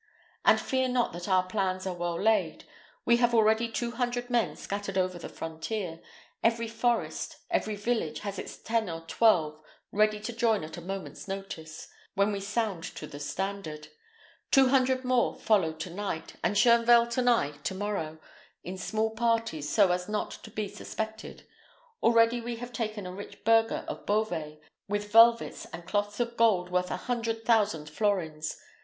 And fear not that our plans are well laid: we have already two hundred men scattered over the frontier; every forest, every village, has its ten or twelve, ready to join at a moment's notice, when we sound to the standard: two hundred more follow to night, and Shoenvelt and I to morrow, in small parties, so as not to be suspected. Already we have taken a rich burgher of Beauvais, with velvets and cloths of gold worth a hundred thousand florins.